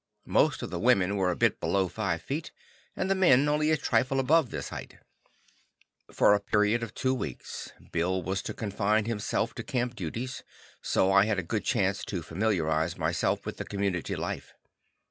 Most of the women were a bit below five feet, and the men only a trifle above this height. For a period of two weeks Bill was to confine himself to camp duties, so I had a good chance to familiarize myself with the community life.